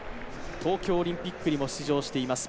東京オリンピックにも出場しています